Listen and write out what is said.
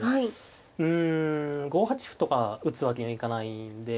うん５八歩とか打つわけにはいかないんで。